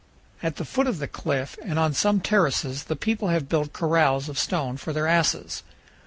At the foot of the cliff and on some terraces the people have built corrals of stone for their asses.